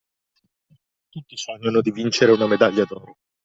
Tutti sognano di vincere una medaglia d'oro.